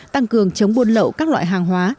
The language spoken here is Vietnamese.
tăng cường chống buôn lậu các loại hàng hóa